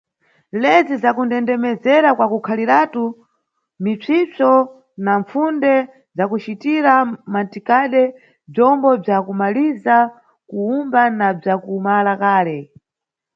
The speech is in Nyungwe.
Lezi za kundendemezera kwa kukhaliratu, misvisvo na mpfunde za kucitira mantikade bzombo bza kumaliza kuwumba na bza kumala kale.